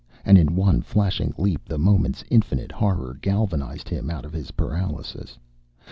And in one flashing leap the moment's infinite horror galvanized him out of his paralysis.